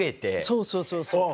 そうそうそうそう。